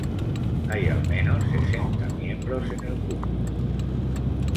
Hay al menos sesenta miembros en el cúmulo.